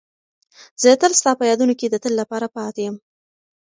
زه تل ستا په یادونو کې د تل لپاره پاتې یم.